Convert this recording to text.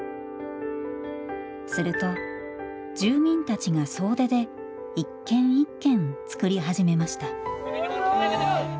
すると住民たちが総出で一軒一軒造り始めました。